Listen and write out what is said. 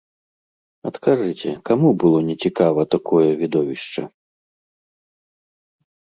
Адкажыце, каму было нецікава такое відовішча?